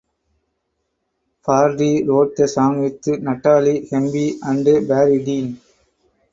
Pardi wrote the song with Natalie Hemby and Barry Dean.